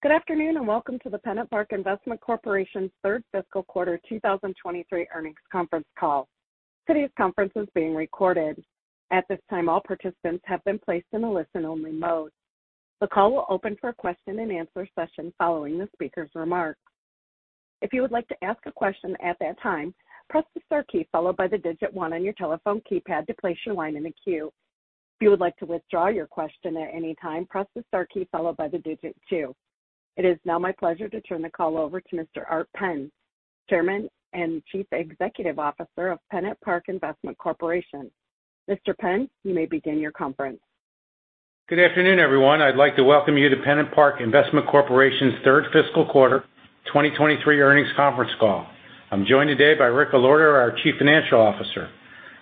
Good afternoon, and welcome to the PennantPark Investment Corporation's Third Fiscal Quarter 2023 Earnings Conference Call. Today's conference is being recorded. At this time, all participants have been placed in a listen-only mode. The call will open for a question-and-answer session following the speaker's remarks. If you would like to ask a question at that time, press the star key followed by the digit one on your telephone keypad to place your line in the queue. If you would like to withdraw your question at any time, press the star key followed by the digit two. It is now my pleasure to turn the call over to Mr. Art Penn, Chairman and Chief Executive Officer of PennantPark Investment Corporation. Mr. Penn, you may begin your conference. Good afternoon, everyone. I'd like to welcome you to PennantPark Investment Corporation's third fiscal quarter 2023 earnings conference call. I'm joined today by Rick Allorto, our Chief Financial Officer.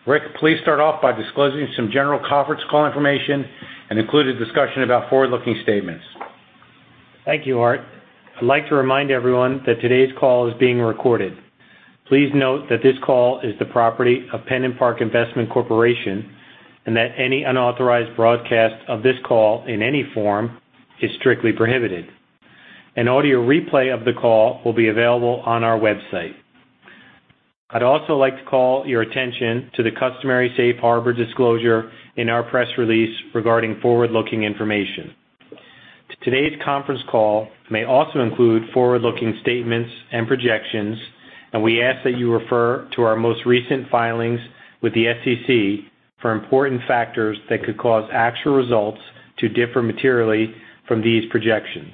Rick, please start off by disclosing some general conference call information and include a discussion about forward-looking statements. Thank you, Art. I'd like to remind everyone that today's call is being recorded. Please note that this call is the property of PennantPark Investment Corporation, that any unauthorized broadcast of this call in any form is strictly prohibited. An audio replay of the call will be available on our website. I'd also like to call your attention to the customary safe harbor disclosure in our press release regarding forward-looking information. Today's conference call may also include forward-looking statements and projections. We ask that you refer to our most recent filings with the SEC for important factors that could cause actual results to differ materially from these projections.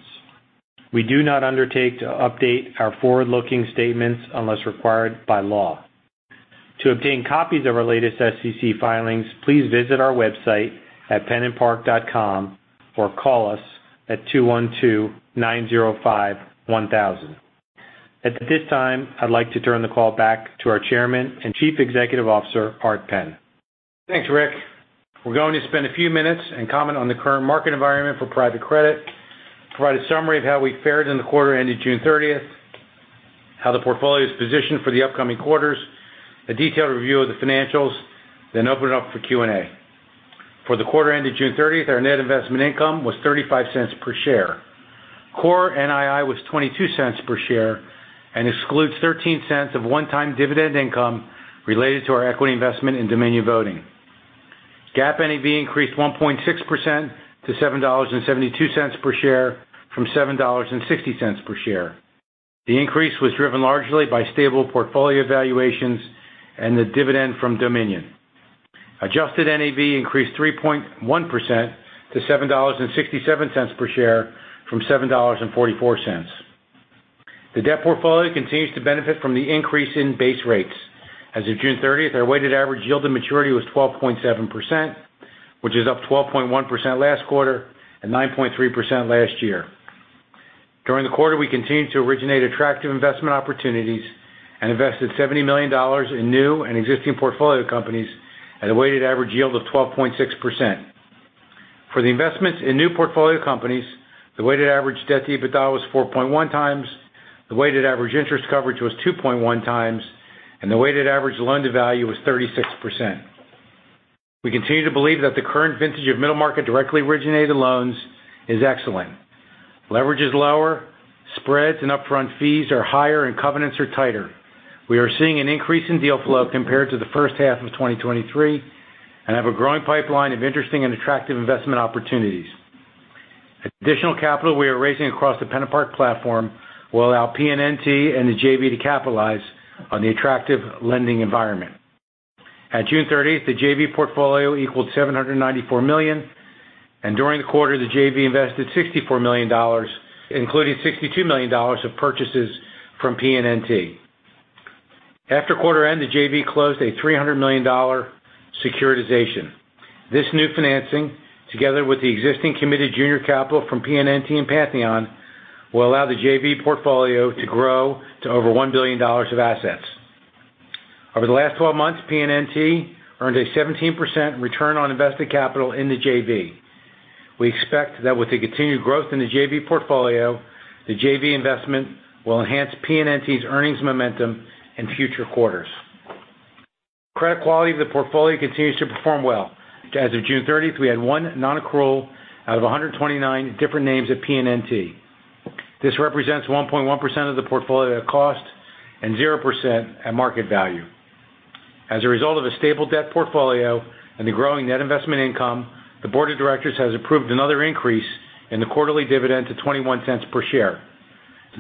We do not undertake to update our forward-looking statements unless required by law. To obtain copies of our latest SEC filings, please visit our website at pennantpark.com, or call us at 212-905-1000. At this time, I'd like to turn the call back to our Chairman and Chief Executive Officer, Art Penn. Thanks, Rick. We're going to spend a few minutes and comment on the current market environment for private credit, provide a summary of how we fared in the quarter ending June 30th, how the portfolio is positioned for the upcoming quarters, a detailed review of the financials, then open it up for Q&A. For the quarter ending June 30th, our net investment income was $0.35 per share. Core NII was $0.22 per share and excludes $0.13 of one-time dividend income related to our equity investment in Dominion Voting. GAAP NAV increased 1.6% to $7.72 per share from $7.60 per share. The increase was driven largely by stable portfolio valuations and the dividend from Dominion. Adjusted NAV increased 3.1% to $7.67 per share from $7.44. The debt portfolio continues to benefit from the increase in base rates. As of June 30th, our weighted average yield to maturity was 12.7%, which is up 12.1% last quarter and 9.3% last year. During the quarter, we continued to originate attractive investment opportunities and invested $70 million in new and existing portfolio companies at a weighted average yield of 12.6%. For the investments in new portfolio companies, the weighted average debt-to-EBITDA was 4.1x, the weighted average interest coverage was 2.1x, and the weighted average loan-to-value was 36%. We continue to believe that the current vintage of middle-market directly originated loans is excellent. Leverage is lower, spreads and upfront fees are higher, and covenants are tighter. We are seeing an increase in deal flow compared to the first half of 2023 and have a growing pipeline of interesting and attractive investment opportunities. Additional capital we are raising across the PennantPark platform will allow PN&T and the JV to capitalize on the attractive lending environment. At June 30th, the JV portfolio equaled $794 million, and during the quarter, the JV invested $64 million, including $62 million of purchases from PN&T. After quarter end, the JV closed a $300 million securitization. This new financing, together with the existing committed junior capital from PN&T and Pantheon, will allow the JV portfolio to grow to over $1 billion of assets. Over the last 12 months, PN&T earned a 17% return on invested capital in the JV. We expect that with the continued growth in the JV portfolio, the JV investment will enhance PN&T's earnings momentum in future quarters. Credit quality of the portfolio continues to perform well. As of June 30th, we had 1 nonaccrual out of 129 different names at PN&T. This represents 1.1% of the portfolio at cost and 0% at market value. As a result of a stable debt portfolio and the growing net investment income, the board of directors has approved another increase in the quarterly dividend to $0.21 per share.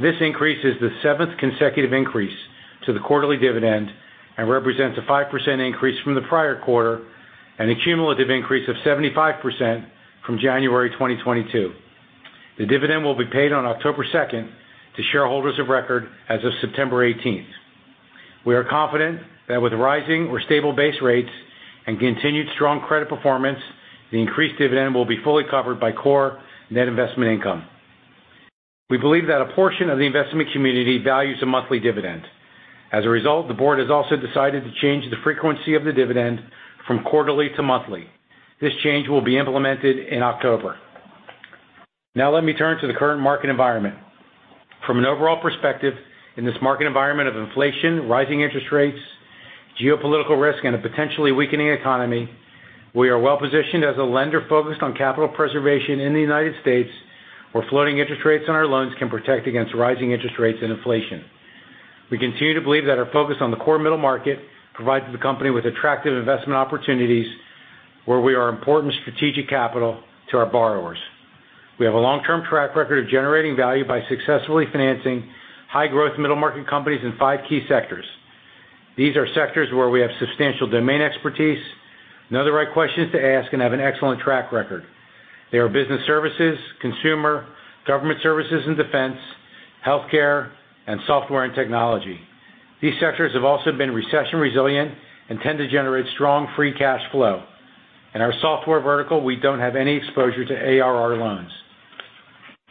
This increase is the 7th consecutive increase to the quarterly dividend and represents a 5% increase from the prior quarter and a cumulative increase of 75% from January 2022. The dividend will be paid on October 2nd to shareholders of record as of September 18th. We are confident that with rising or stable base rates and continued strong credit performance, the increased dividend will be fully covered by core net investment income. We believe that a portion of the investment community values a monthly dividend. As a result, the board has also decided to change the frequency of the dividend from quarterly to monthly. This change will be implemented in October. Now let me turn to the current market environment. From an overall perspective, in this market environment of inflation, rising interest rates, geopolitical risk, and a potentially weakening economy, we are well-positioned as a lender focused on capital preservation in the United States, where floating interest rates on our loans can protect against rising interest rates and inflation. We continue to believe that our focus on the core middle market provides the company with attractive investment opportunities, where we are important strategic capital to our borrowers. We have a long-term track record of generating value by successfully financing high-growth middle-market companies in five key sectors. These are sectors where we have substantial domain expertise, know the right questions to ask, and have an excellent track record. They are business services, consumer, government services and defense, healthcare, and software and technology. These sectors have also been recession-resilient and tend to generate strong free cash flow. In our software vertical, we don't have any exposure to ARR loans.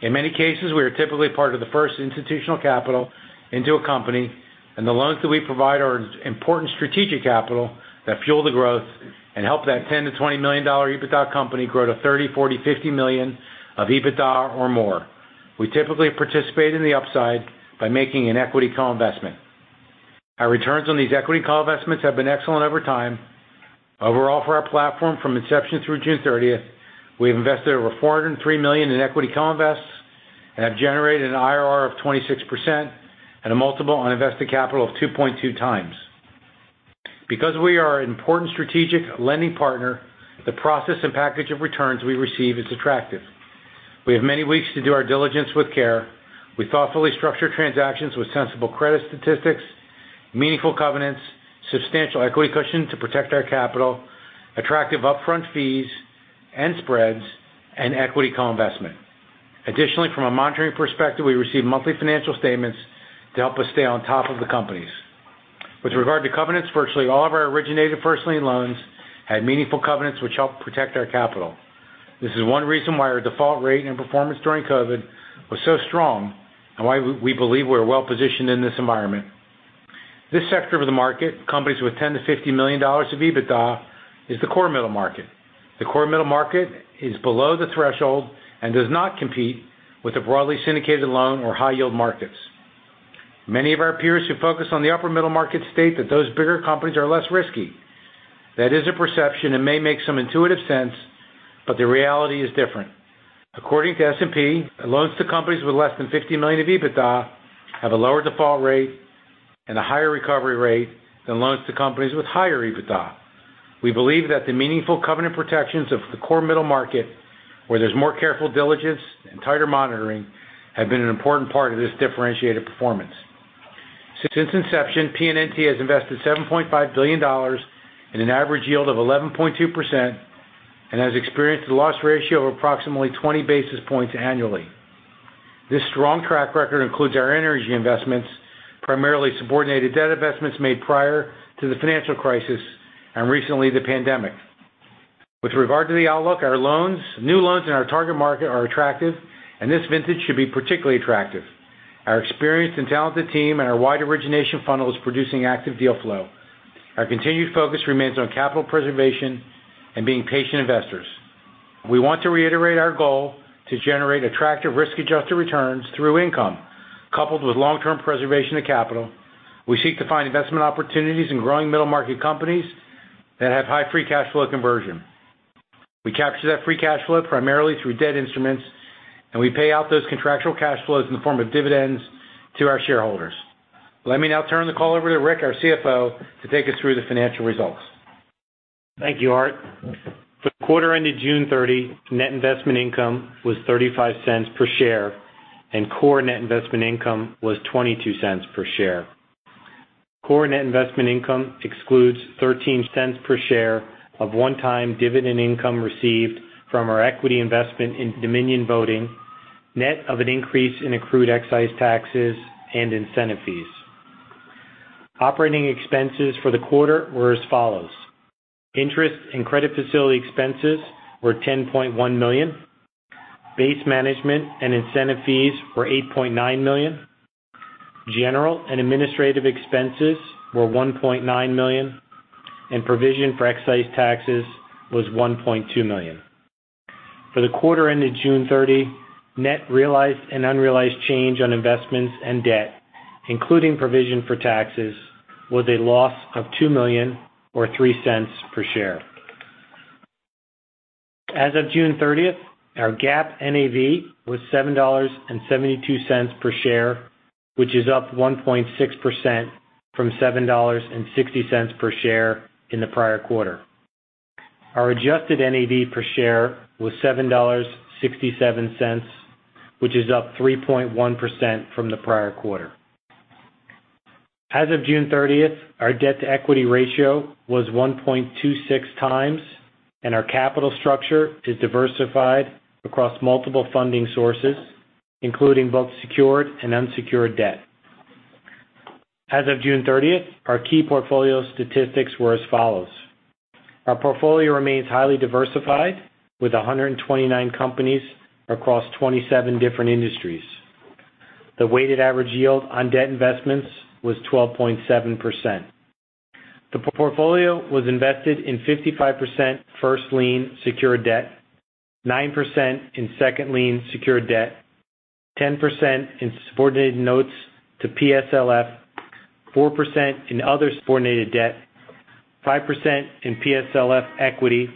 In many cases, we are typically part of the first institutional capital into a company. The loans that we provide are important strategic capital that fuel the growth and help that $10 million-$20 million EBITDA company grow to $30 million, $40 million, $50 million of EBITDA or more. We typically participate in the upside by making an equity co-investment. Our returns on these equity co-investments have been excellent over time. Overall, for our platform, from inception through June 30th, we have invested over $403 million in equity co-invests and have generated an IRR of 26% and a multiple on invested capital of 2.2 times. Because we are an important strategic lending partner, the process and package of returns we receive is attractive. We have many weeks to do our diligence with care. We thoughtfully structure transactions with sensible credit statistics, meaningful covenants, substantial equity cushion to protect our capital, attractive upfront fees and spreads, and equity co-investment. From a monitoring perspective, we receive monthly financial statements to help us stay on top of the companies. With regard to covenants, virtually all of our originated first lien loans had meaningful covenants, which help protect our capital. This is one reason why our default rate and performance during COVID was so strong and why we believe we're well-positioned in this environment. This sector of the market, companies with 10 to $50 million of EBITDA, is the core middle market. The core middle market is below the threshold and does not compete with the broadly syndicated loan or high-yield markets. Many of our peers who focus on the upper middle market state that those bigger companies are less risky. That is a perception and may make some intuitive sense. The reality is different. According to S&P, loans to companies with less than 50 million of EBITDA have a lower default rate and a higher recovery rate than loans to companies with higher EBITDA. We believe that the meaningful covenant protections of the core middle market, where there's more careful diligence and tighter monitoring, have been an important part of this differentiated performance. Since inception, PN&T has invested $ 5 billion in an average yield of 11.2% and has experienced a loss ratio of approximately 20 basis points annually. This strong track record includes our energy investments, primarily subordinated debt investments made prior to the financial crisis and recently, the pandemic. With regard to the outlook, new loans in our target market are attractive, and this vintage should be particularly attractive. Our experienced and talented team and our wide origination funnel is producing active deal flow. Our continued focus remains on capital preservation and being patient investors. We want to reiterate our goal to generate attractive, risk-adjusted returns through income, coupled with long-term preservation of capital. We seek to find investment opportunities in growing middle-market companies that have high free cash flow conversion. We capture that free cash flow primarily through debt instruments, and we pay out those contractual cash flows in the form of dividends to our shareholders. Let me now turn the call over to Rick, our CFO, to take us through the financial results. Thank you, Art. For the quarter ended June 30, net investment income was $0.35 per share. Core net investment income was $0.22 per share. Core net investment income excludes $0.13 per share of one-time dividend income received from our equity investment in Dominion Voting, net of an increase in accrued excise taxes and incentive fees. Operating expenses for the quarter were as follows: Interest and credit facility expenses were $10.1 million, base management and incentive fees were $8.9 million, general and administrative expenses were $1.9 million, and provision for excise taxes was $1.2 million. For the quarter ended June 30, net realized and unrealized change on investments and debt, including provision for taxes, was a loss of $2 million or $0.03 per share. As of June 30th, our GAAP NAV was $7.72 per share, which is up 1.6% from $7.60 per share in the prior quarter. Our adjusted NAV per share was $7.67, which is up 3.1% from the prior quarter. As of June 30th, our debt-to-equity ratio was 1.26 times, and our capital structure is diversified across multiple funding sources, including both secured and unsecured debt. As of June 30th, our key portfolio statistics were as follows: Our portfolio remains highly diversified, with 129 companies across 27 different industries. The weighted average yield on debt investments was 12.7%. The portfolio was invested in 55% first lien secured debt, 9% in second lien secured debt, 10% in subordinated notes to PSLF, 4% in other subordinated debt, 5% in PSLF equity,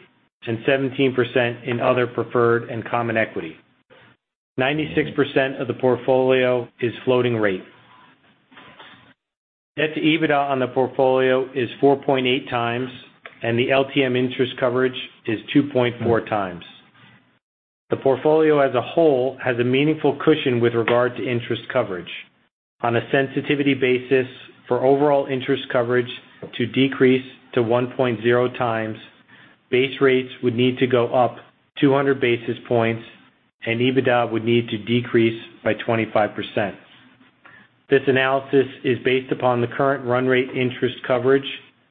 and 17% in other preferred and common equity. 96% of the portfolio is floating rate. Net to EBITDA on the portfolio is 4.8x, the LTM interest coverage is 2.4x. The portfolio as a whole has a meaningful cushion with regard to interest coverage. On a sensitivity basis, for overall interest coverage to decrease to 1.0x, base rates would need to go up 200 basis points, EBITDA would need to decrease by 25%. This analysis is based upon the current run rate interest coverage,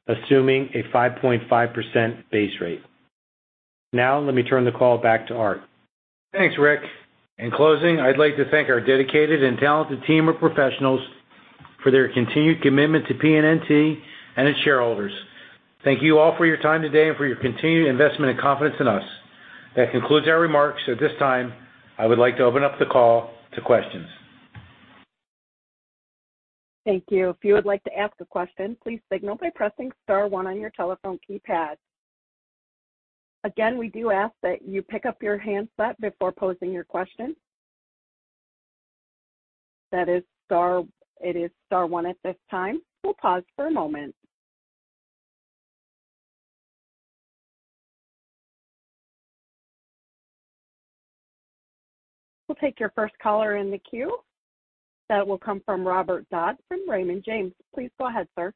assuming a 5.5% base rate. Let me turn the call back to Art. Thanks, Rick. In closing, I'd like to thank our dedicated and talented team of professionals for their continued commitment to PN&T and its shareholders. Thank you all for your time today and for your continued investment and confidence in us. That concludes our remarks. At this time, I would like to open up the call to questions. Thank you. If you would like to ask a question, please signal by pressing star one on your telephone keypad. Again, we do ask that you pick up your handset before posing your question. That is it is star one at this time. We'll pause for a moment. We'll take your first caller in the queue. That will come from Robert Dodd from Raymond James. Please go ahead, sir.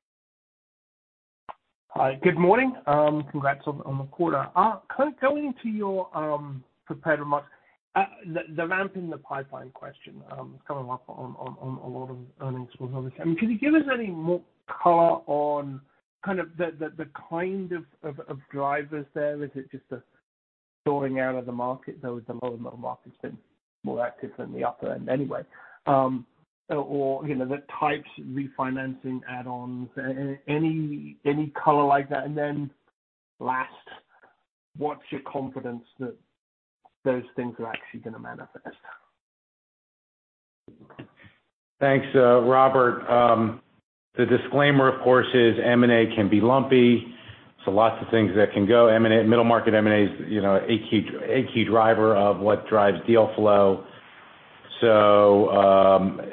Hi, good morning. Congrats on, on the quarter. kind of going to your prepared remarks, the ramp in the pipeline question, coming up on a lot of earnings calls. I mean, can you give us any more color on kind of the kind of drivers there? Is it just a sorting out of the market, though the lower middle market's been more active than the upper end anyway? Or, you know, the types, refinancing, add-ons, any color like that? Last, what's your confidence that those things are actually going to manifest? Thanks, Robert. The disclaimer, of course, is M&A can be lumpy. Lots of things that can go. M&A, middle market M&A is, you know, a key, a key driver of what drives deal flow.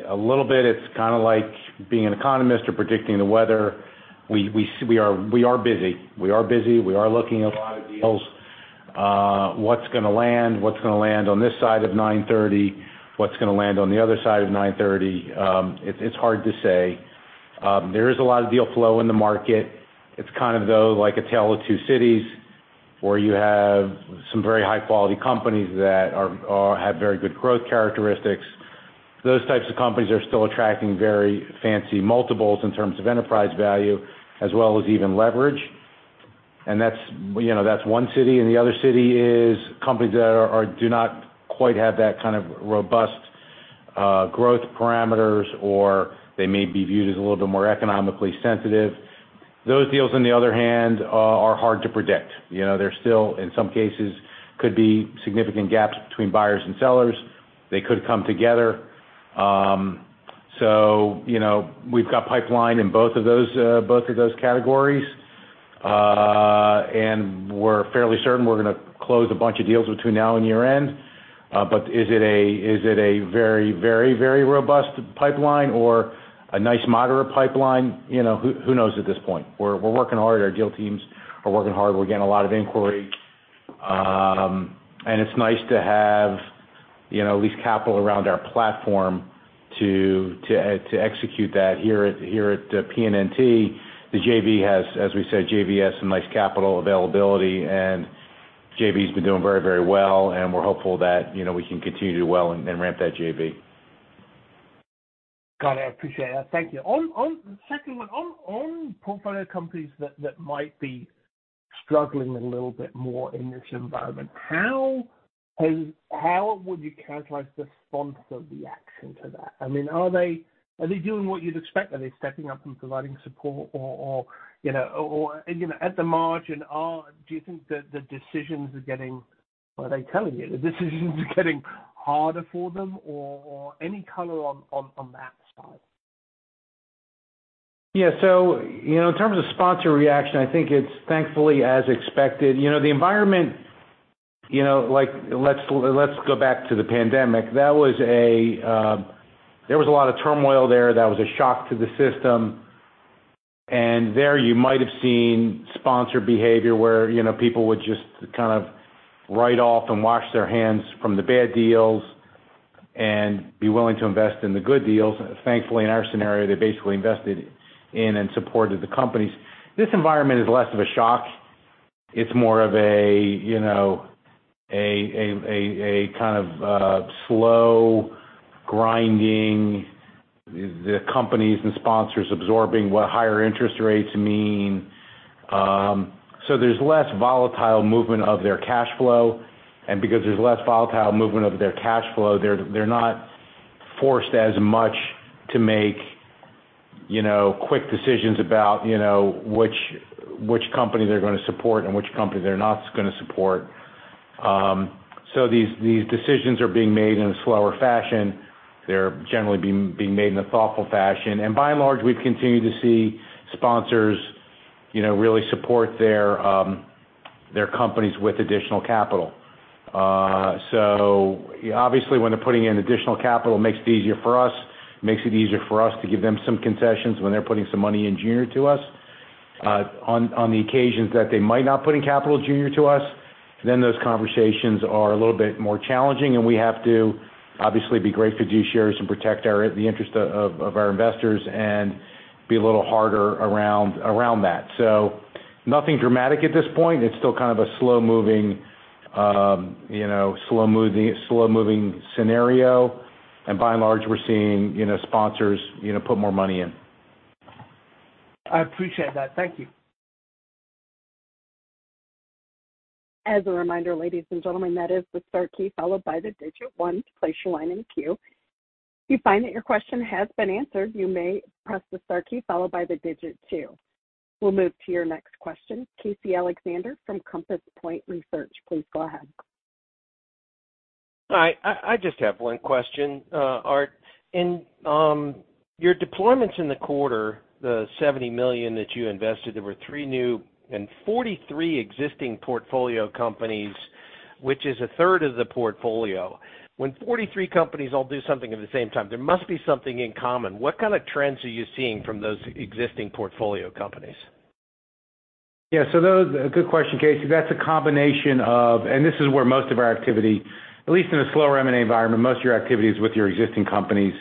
A little bit, it's kind of like being an economist or predicting the weather. We, we are, we are busy. We are busy. We are looking at a lot of deals. What's going to land? What's going to land on this side of 9:30? What's going to land on the other side of 9:30? It, it's hard to say. There is a lot of deal flow in the market. It's kind of, though, like a tale of two cities, where you have some very high-quality companies that are, are, have very good growth characteristics. Those types of companies are still attracting very fancy multiples in terms of enterprise value, as well as even leverage. That's, you know, that's one city, and the other city is companies that are, do not quite have that kind of robust, growth parameters, or they may be viewed as a little bit more economically sensitive. Those deals, on the other hand, are hard to predict. You know, there's still, in some cases, could be significant gaps between buyers and sellers. They could come together. You know, we've got pipeline in both of those, both of those categories. We're fairly certain we're going to close a bunch of deals between now and year-end. Is it a, is it a very, very, very robust pipeline or a nice moderate pipeline? You know, who, who knows at this point? We're working hard. Our deal teams are working hard. We're getting a lot of inquiry. It's nice to have, you know, at least capital around our platform to execute that here at PN&T. The JV has, as we said, JVs, some nice capital availability. JV's been doing very, very well. We're hopeful that, you know, we can continue to do well and ramp that JV. Got it. I appreciate that. Thank you. On the second one, on portfolio companies that might be struggling a little bit more in this environment, how would you characterize the sponsor reaction to that? I mean, are they, are they doing what you'd expect? Are they stepping up and providing support or, you know, and, you know, at the margin, do you think the decisions are getting... Are they telling you the decisions are getting harder for them, or any color on that side? Yeah. You know, in terms of sponsor reaction, I think it's thankfully as expected. You know, the environment, you know, like, let's, let's go back to the pandemic. That was a, there was a lot of turmoil there. That was a shock to the system, and there you might have seen sponsor behavior where, you know, people would just kind of write off and wash their hands from the bad deals and be willing to invest in the good deals. Thankfully, in our scenario, they basically invested in and supported the companies. This environment is less of a shock. It's more of a, you know, a kind of slow grinding, the companies and sponsors absorbing what higher interest rates mean. There's less volatile movement of their cash flow, and because there's less volatile movement of their cash flow, they're, they're not-... forced as much to make, you know, quick decisions about, you know, which, which company they're going to support and which company they're not going to support. These, these decisions are being made in a slower fashion. They're generally being made in a thoughtful fashion, and by and large, we've continued to see sponsors, you know, really support their companies with additional capital. Obviously, when they're putting in additional capital, makes it easier for us, makes it easier for us to give them some concessions when they're putting some money in junior to us. On the occasions that they might not put in capital junior to us, those conversations are a little bit more challenging, and we have to obviously be great fiduciaries and protect the interest of our investors and be a little harder around that. Nothing dramatic at this point. It's still kind of a slow-moving, you know, slow moving, slow-moving scenario. By and large, we're seeing, you know, sponsors, you know, put more money in. I appreciate that. Thank you. As a reminder, ladies and gentlemen, that is the star key, followed by the digit one to place your line in queue. If you find that your question has been answered, you may press the star key followed by the digit two. We'll move to your next question. Casey Alexander from Compass Point Research. Please go ahead. Hi, I, I just have one question, Art. In your deployments in the quarter, the $70 million that you invested, there were three new and 43 existing portfolio companies, which is a third of the portfolio. When 43 companies all do something at the same time, there must be something in common. What kind of trends are you seeing from those existing portfolio companies? Yeah, good question, Casey. That's a combination of, and this is where most of our activity, at least in a slower M&A environment, most of your activity is with your existing companies.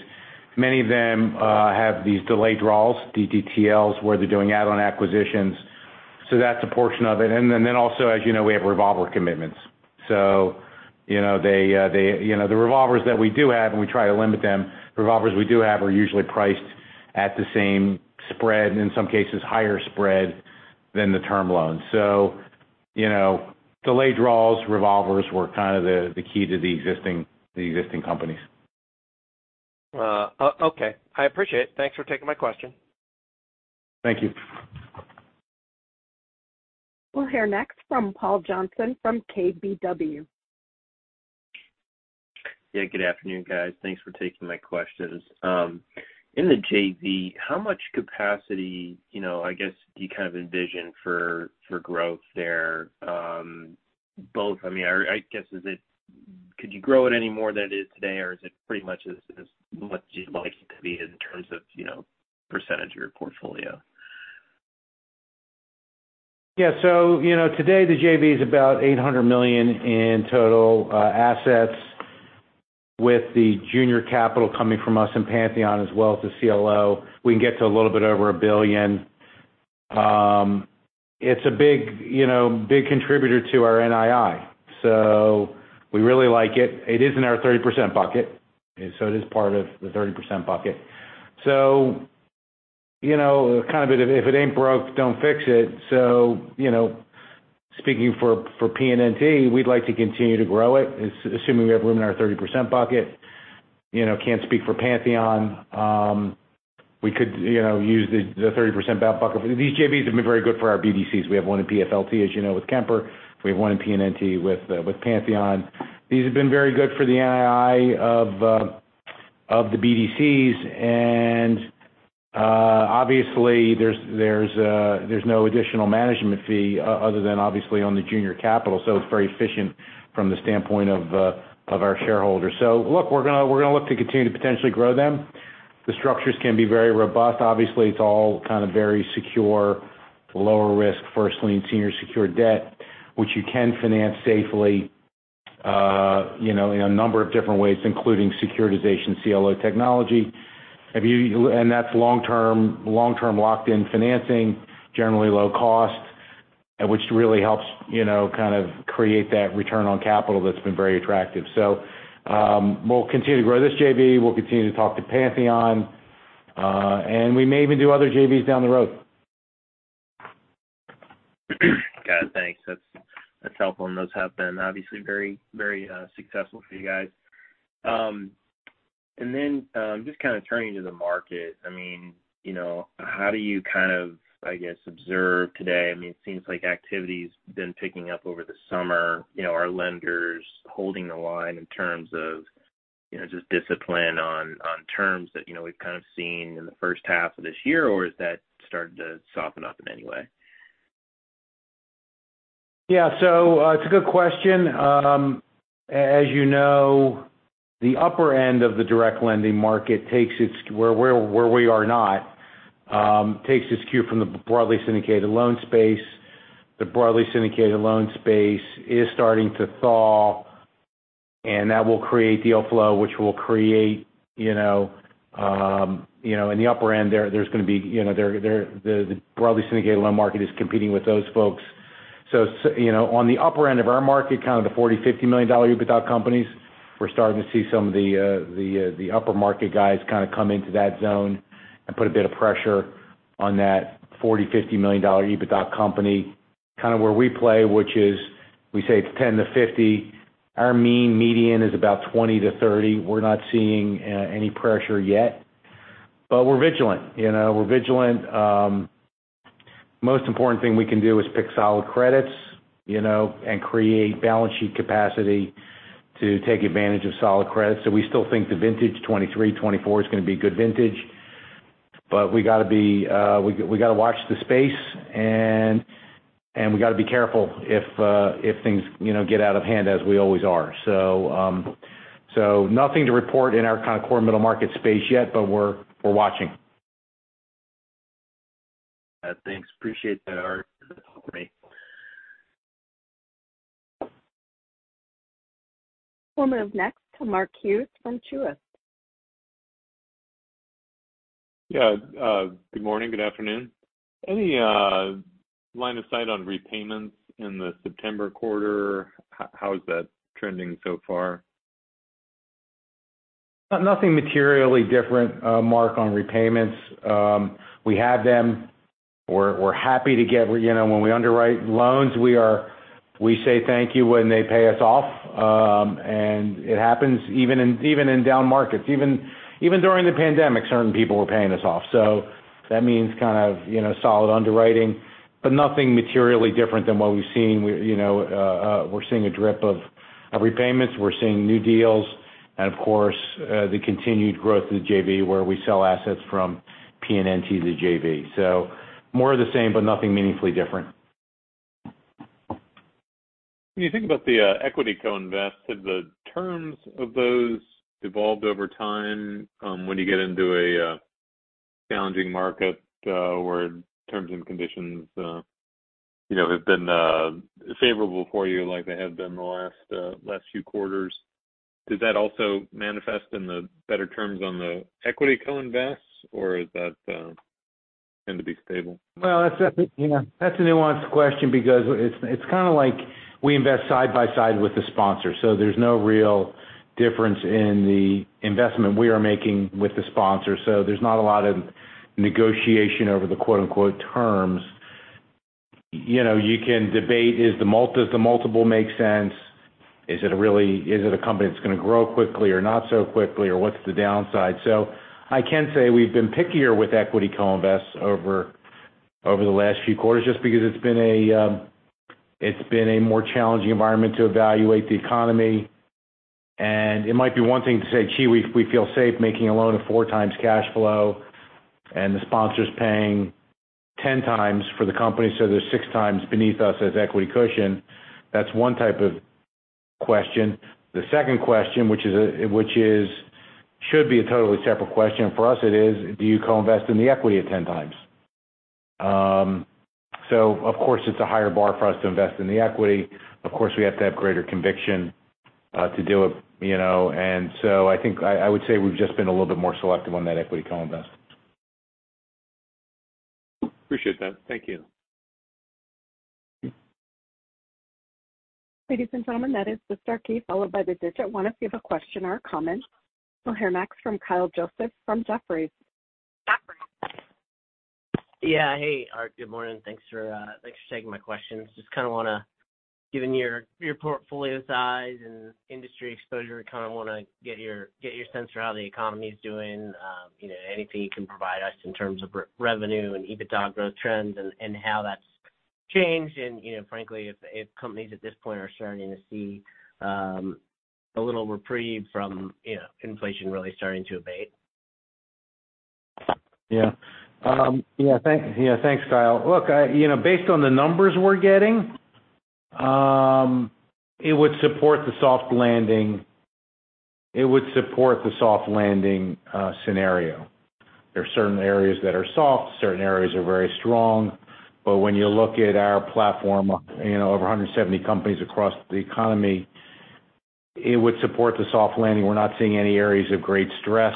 Many of them have these delayed draws, DDTLs, where they're doing add-on acquisitions. That's a portion of it. Then also, as you know, we have revolver commitments. You know, they, you know, the revolvers that we do have, and we try to limit them, revolvers we do have are usually priced at the same spread, in some cases higher spread than the term loans. You know, delayed draws, revolvers were kind of the, the key to the existing, the existing companies. Okay, I appreciate it. Thanks for taking my question. Thank you. We'll hear next from Paul Johnson, from KBW. Yeah, good afternoon, guys. Thanks for taking my questions. In the JV, how much capacity, you know, I guess, do you kind of envision for, for growth there? Both, I mean, I, I guess, could you grow it any more than it is today, or is it pretty much as, as much as you'd like it to be in terms of, you know, percentage of your portfolio? Yeah, you know, today, the JV is about $800 million in total assets, with the junior capital coming from us and Pantheon as well as the CLO. We can get to a little bit over $1 billion. It's a big, you know, big contributor to our NII, so we really like it. It is in our 30% bucket, so it is part of the 30% bucket. You know, kind of if it ain't broke, don't fix it. You know, speaking for PN&T, we'd like to continue to grow it, assuming we have room in our 30% bucket. You know, can't speak for Pantheon. We could, you know, use the 30% bucket. These JVs have been very good for our BDC. We have one in PFLT, as you know, with Kemper. We have one in PN&T with Pantheon. These have been very good for the NII of the BDC, and obviously there's, there's no additional management fee other than obviously on the junior capital. It's very efficient from the standpoint of our shareholders. Look, we're gonna, we're gonna look to continue to potentially grow them. The structures can be very robust. Obviously, it's all kind of very secure, lower risk, first lien, senior secured debt, which you can finance safely, you know, in a number of different ways, including securitization, CLO technology. That's long-term, long-term locked-in financing, generally low cost, and which really helps, you know, kind of create that return on capital that's been very attractive. We'll continue to grow this JV, we'll continue to talk to Pantheon, and we may even do other JVs down the road. Got it, thanks. That's, that's helpful. Those have been obviously very, very successful for you guys. Then, just kind of turning to the market. I mean, you know, how do you kind of, I guess, observe today? I mean, it seems like activity's been picking up over the summer. You know, are lenders holding the line in terms of, you know, just discipline on, on terms that, you know, we've kind of seen in the first half of this year? Or has that started to soften up in any way? Yeah, so, it's a good question. As you know, the upper end of the direct lending market takes its where, where we are not, takes its cue from the broadly syndicated loan space. The broadly syndicated loan space is starting to thaw, and that will create deal flow, which will create, you know, in the upper end there, there's going to be, you know, the, the, the broadly syndicated loan market is competing with those folks. So you know, on the upper end of our market, kind of the $40 million-$50 million EBITDA companies, we're starting to see some of the, the, the upper market guys kind of come into that zone and put a bit of pressure on that $40 million-$50 million EBITDA company, kind of where we play, which is, we say it's $10 million-$50 million. Our mean median is about 20-30. We're not seeing any pressure yet, but we're vigilant. You know, we're vigilant. Most important thing we can do is pick solid credits, you know, and create balance sheet capacity to take advantage of solid credits. We still think the vintage 2023, 2024 is gonna be a good vintage, but we gotta be, we, we gotta watch the space and, and we gotta be careful if things, you know, get out of hand as we always are. Nothing to report in our kind of core middle market space yet, but we're, we're watching. Thanks. Appreciate that, Art. We'll move next to Mark Hughes from Truist. Yeah, good morning. Good afternoon. Any line of sight on repayments in the September quarter? How is that trending so far? Nothing materially different, Mark, on repayments. We have them. We're, we're happy to get... You know, when we underwrite loans, we say thank you when they pay us off. It happens even in, even in down markets. Even, even during the pandemic, certain people were paying us off. That means kind of, you know, solid underwriting, but nothing materially different than what we've seen. We, you know, we're seeing a drip of, of repayments. We're seeing new deals, and of course, the continued growth of the JV, where we sell assets from PN&T, the JV. More of the same, but nothing meaningfully different. When you think about the equity co-invest, have the terms of those evolved over time, when you get into a challenging market, where terms and conditions, you know, have been favorable for you like they have been in the last last few quarters? Does that also manifest in the better terms on the equity co-invest, or does that tend to be stable? Well, that's, you know, that's a nuanced question because it's, it's kind of like we invest side by side with the sponsor, There's no real difference in the investment we are making with the sponsor. There's not a lot of negotiation over the quote-unquote, terms. You know, you can debate, does the multiple make sense? Is it a company that's gonna grow quickly or not so quickly, or what's the downside? I can say we've been pickier with equity co-invest over, over the last few quarters, just because it's been a, it's been a more challenging environment to evaluate the economy. It might be one thing to say, gee, we, we feel safe making a loan of 4x cash flow, and the sponsor's paying 10x for the company, so there's 6x beneath us as equity cushion. That's one type of question. The second question, which is a, which is, should be a totally separate question, and for us, it is: Do you co-invest in the equity at 10x? So of course, it's a higher bar for us to invest in the equity. Of course, we have to have greater conviction to do it, you know. So I think I would say we've just been a little bit more selective on that equity co-invest. Appreciate that. Thank you. Ladies and gentlemen, that is the star key, followed by the digit 1, if you have a question or a comment. We'll hear next from Kyle Joseph, from Jefferies. Yeah. Hey, Art, good morning. Thanks for, thanks for taking my questions. Given your, your portfolio size and industry exposure, kind of wanna get your sense for how the economy is doing? You know, anything you can provide us in terms of revenue and EBITDA growth trends and, and how that's changed? You know, frankly, if, if companies at this point are starting to see, a little reprieve from, you know, inflation really starting to abate? Yeah. Yeah, thank you. Yeah, thanks, Kyle. Look, you know, based on the numbers we're getting, it would support the soft landing. It would support the soft landing scenario. There are certain areas that are soft, certain areas are very strong. When you look at our platform, you know, over 170 companies across the economy, it would support the soft landing. We're not seeing any areas of great stress.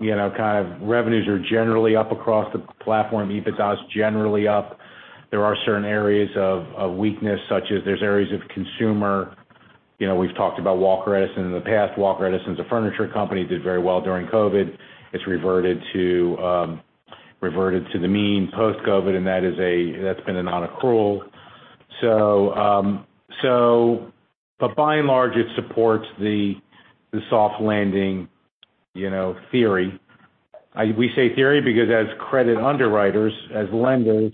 You know, kind of revenues are generally up across the platform. EBITDA is generally up. There are certain areas of, of weakness, such as there's areas of consumer. You know, we've talked about Walker Edison in the past. Walker Edison is a furniture company, did very well during COVID. It's reverted to, reverted to the mean post-COVID, and that is a, that's been a nonaccrual. But by and large, it supports the soft landing, you know, theory. We say theory because as credit underwriters, as lenders,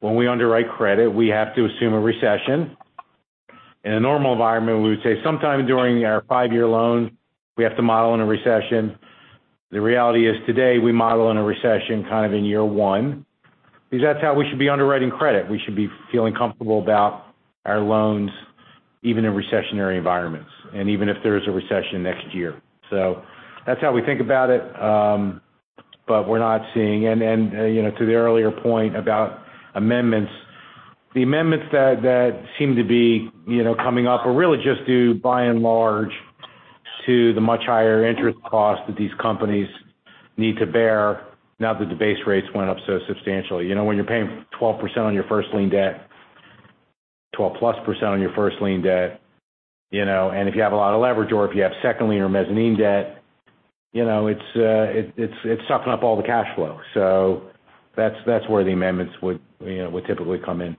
when we underwrite credit, we have to assume a recession. In a normal environment, we would say sometime during our five-year loan, we have to model in a recession. The reality is today, we model in a recession kind of in year 1, because that's how we should be underwriting credit. We should be feeling comfortable about our loans, even in recessionary environments, and even if there is a recession next year. That's how we think about it, but we're not seeing... Then, you know, to the earlier point about amendments, the amendments that, that seem to be, you know, coming up are really just due, by and large, to the much higher interest costs that these companies need to bear now that the base rates went up so substantially. You know, when you're paying 12% on your first lien debt, 12%+ on your first lien debt, you know, and if you have a lot of leverage or if you have second lien or mezzanine debt, you know, it's, it's, it's sucking up all the cash flow. That's, that's where the amendments would, you know, would typically come in.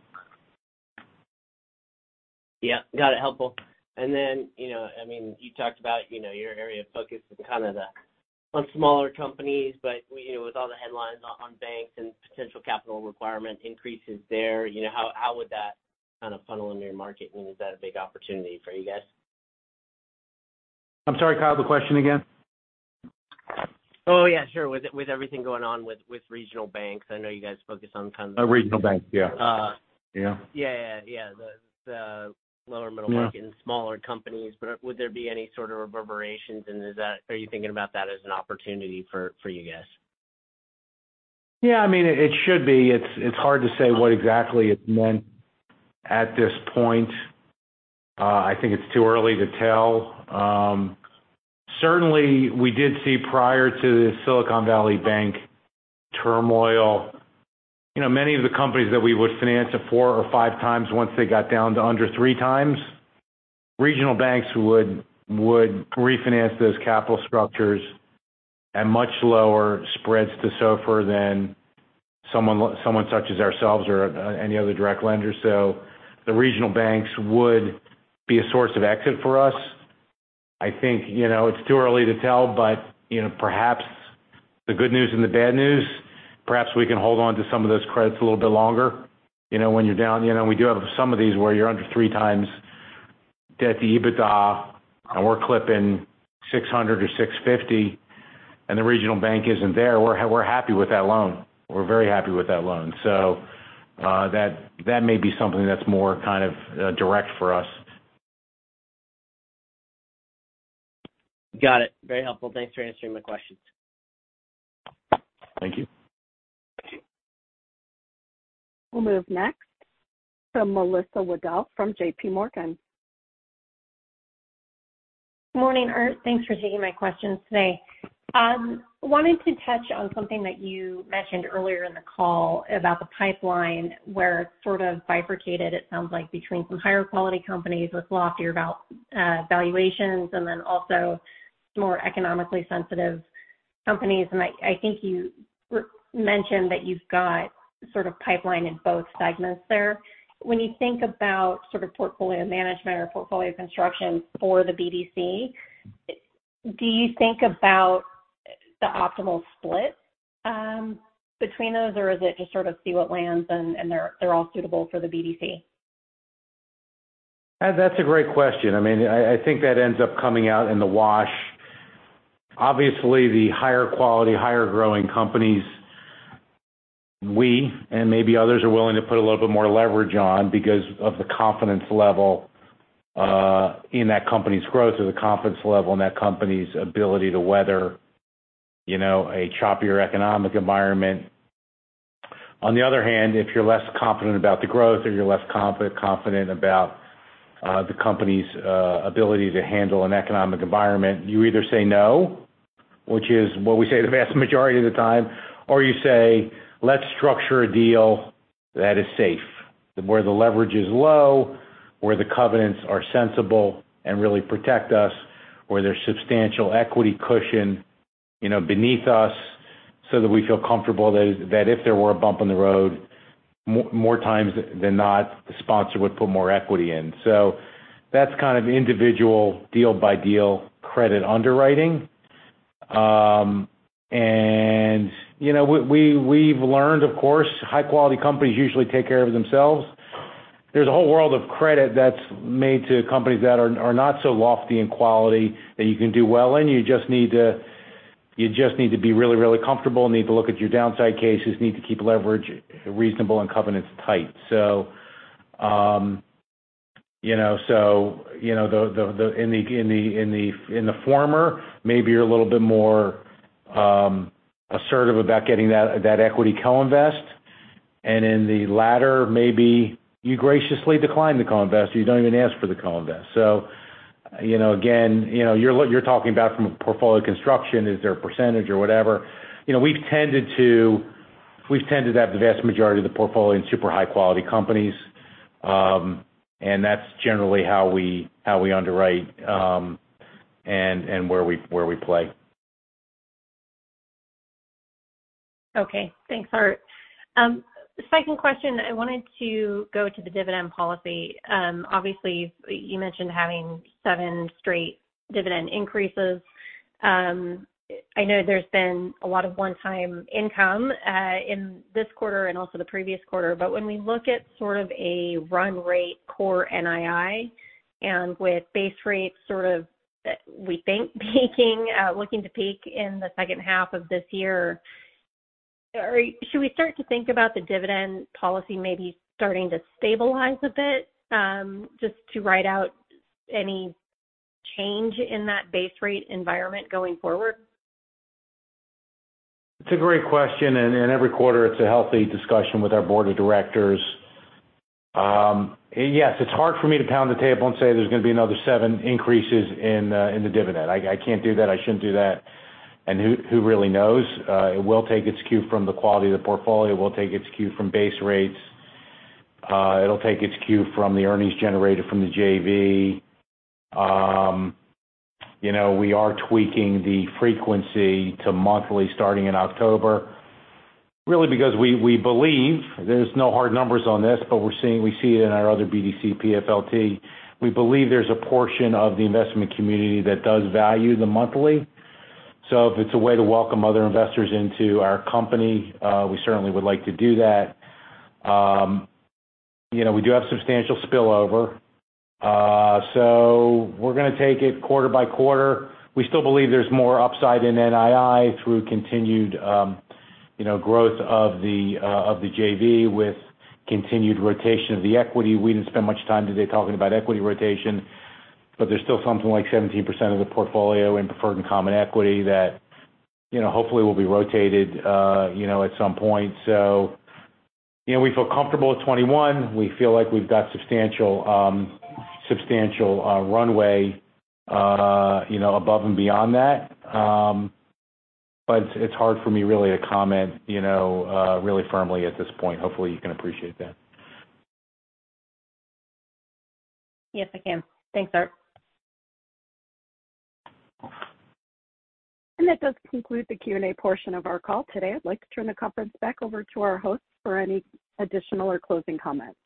Yeah. Got it, helpful. Then, you know, I mean, you talked about, you know, your area of focus is kind of the, on smaller companies, but, you know, with all the headlines on banks and potential capital requirement increases there, you know, how, how would that kind of funnel into your market? I mean, is that a big opportunity for you guys? I'm sorry, Kyle, the question again? Oh, yeah, sure. With, with everything going on with, with regional banks, I know you guys focus on kind of- Oh, regional banks, yeah. Uh- Yeah. Yeah, yeah, yeah. The, the lower middle market. Yeah - and smaller companies. Would there be any sort of reverberations, and is that-- are you thinking about that as an opportunity for, for you guys? Yeah, I mean, it should be. It's, it's hard to say what exactly it meant at this point. I think it's too early to tell. Certainly, we did see prior to the Silicon Valley Bank turmoil, you know, many of the companies that we would finance at 4 or 5 times, once they got down to under 3 times, regional banks would, would refinance those capital structures at much lower spreads to SOFR than someone, someone such as ourselves or any other direct lender. The regional banks would be a source of exit for us. I think, you know, it's too early to tell, but, you know, perhaps the good news and the bad news, perhaps we can hold on to some of those credits a little bit longer. You know, when you're down, you know, we do have some of these where you're under 3 times debt-to-EBITDA, and we're clipping 600 or 650, and the regional bank isn't there. We're, we're happy with that loan. We're very happy with that loan. That, that may be something that's more kind of, direct for us. Got it. Very helpful. Thanks for answering my questions. Thank you. We'll move next to Melissa Weadick from J.P. Morgan. Morning, Art. Thanks for taking my questions today. Wanted to touch on something that you mentioned earlier in the call about the pipeline, where it's sort of bifurcated, it sounds like, between some higher quality companies with loftier valuations and then also more economically sensitive companies. I, I think you mentioned that you've got sort of pipeline in both segments there. When you think about sort of portfolio management or portfolio construction for the BDC, do you think about the optimal split between those? Or is it just sort of see what lands and, and they're, they're all suitable for the BDC? That's a great question. I mean, I, I think that ends up coming out in the wash. Obviously, the higher quality, higher growing companies, we and maybe others are willing to put a little bit more leverage on because of the confidence level in that company's growth or the confidence level in that company's ability to weather, you know, a choppier economic environment. On the other hand, if you're less confident about the growth or you're less confident about the company's ability to handle an economic environment, you either say no, which is what we say the vast majority of the time, or you say, "Let's structure a deal that is safe, where the leverage is low, where the covenants are sensible and really protect us, where there's substantial equity cushion, you know, beneath us, so that we feel comfortable that, that if there were a bump in the road, more times than not, the sponsor would put more equity in." So that's kind of individual deal-by-deal credit underwriting. And, you know, we, we've learned, of course, high-quality companies usually take care of themselves. There's a whole world of credit that's made to companies that are, are not so lofty in quality that you can do well in. You just need to, you just need to be really, really comfortable, need to look at your downside cases, need to keep leverage reasonable and covenants tight. You know, you know, in the former, maybe you're a little bit more assertive about getting that, that equity co-invest. In the latter, maybe you graciously decline the co-invest, or you don't even ask for the co-invest. You know, again, you know, you're talking about from a portfolio construction, is there a percentage or whatever? You know, we've tended to, we've tended to have the vast majority of the portfolio in super high-quality companies. That's generally how we, how we underwrite, and where we, where we play. Okay. Thanks, Art. Second question, I wanted to go to the dividend policy. Obviously, you mentioned having seven straight dividend increases. I know there's been a lot of one-time income, in this quarter and also the previous quarter, but when we look at sort of a run rate core NII and with base rates sort of, we think, peaking, looking to peak in the second half of this year, should we start to think about the dividend policy maybe starting to stabilize a bit, just to ride out any change in that base rate environment going forward? It's a great question, and, and every quarter it's a healthy discussion with our board of directors. Yes, it's hard for me to pound the table and say there's going to be another seven increases in the dividend. I, I can't do that. I shouldn't do that.... Who, who really knows? It will take its cue from the quality of the portfolio. It will take its cue from base rates. It'll take its cue from the earnings generated from the JV. You know, we are tweaking the frequency to monthly starting in October, really, because we, we believe there's no hard numbers on this, but we're seeing-- we see it in our other BDC, PFLT. We believe there's a portion of the investment community that does value the monthly. If it's a way to welcome other investors into our company, we certainly would like to do that. You know, we do have substantial spillover. We're gonna take it quarter-by-quarter. We still believe there's more upside in NII through continued, you know, growth of the JV, with continued rotation of the equity. We didn't spend much time today talking about equity rotation, but there's still something like 17% of the portfolio in preferred and common equity that, you know, hopefully will be rotated, you know, at some point. You know, we feel comfortable with 21. We feel like we've got substantial, substantial runway, you know, above and beyond that. But it's hard for me really to comment, you know, really firmly at this point. Hopefully, you can appreciate that. Yes, I can. Thanks, Art. That does conclude the Q&A portion of our call today. I'd like to turn the conference back over to our hosts for any additional or closing comments.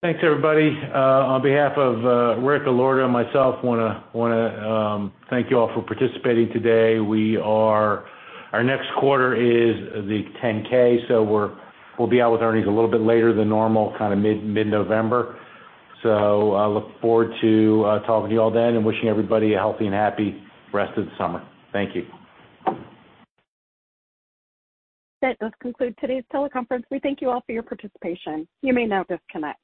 Thanks, everybody. On behalf of Rick Allorto and myself, I wanna, wanna thank you all for participating today. Our next quarter is the 10-K, we'll be out with earnings a little bit later than normal, kind of mid-November. I look forward to talking to you all then and wishing everybody a healthy and happy rest of the summer. Thank you. That does conclude today's teleconference. We thank you all for your participation. You may now disconnect.